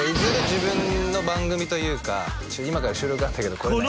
自分の番組というか「今から収録あるんだけど来れない？」